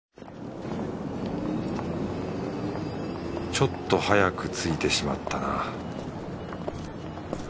ちょっと早く着いてしまったな